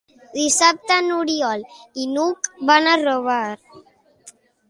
Dissabte n'Oriol i n'Hug van a Rugat.